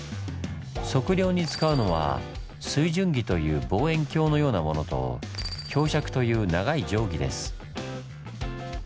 測量に使うのは「水準儀」という望遠鏡のようなものと「標尺」という長い定規です。